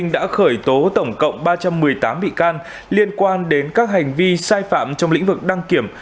đã khởi tố tổng cộng ba trăm một mươi tám bị can liên quan đến các hành vi sai phạm trong lĩnh vực đăng kiểm